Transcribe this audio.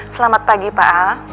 selamat pagi pak